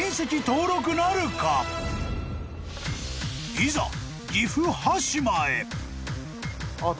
［いざ岐阜羽島へ］